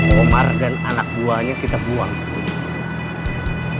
komar dan anak buahnya kita buang sepuluh